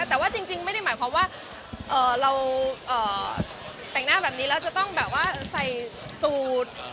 แต่ว่าจริงไม่ได้หมายความว่าเราแต่งหน้าแบบนี้แล้วจะต้องแบบว่าใส่สูตร